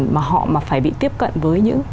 mà họ phải bị tiếp cận với những